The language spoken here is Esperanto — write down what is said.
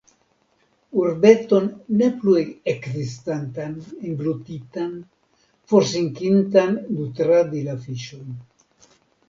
Urbeton ne plu ekzistantan, englutitan, forsinkintan nutradi la fiŝojn.